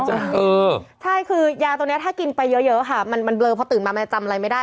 ใช่คือยาตัวนี้ถ้ากินไปเยอะค่ะมันเบลอพอตื่นมามันจะจำอะไรไม่ได้